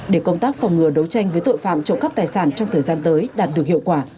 để công tác phòng ngừa đấu tranh với tội phạm trộm cắp tài sản trong thời gian tới đạt được hiệu quả